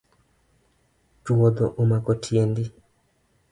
Chwodho omako tiendi.